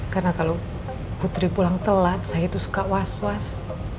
karena kalau putri pulang telat saya tuh suka was was